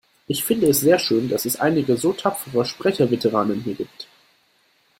Ich finde es sehr schön, dass es einige so tapfere Sprecherveteranen hier gibt.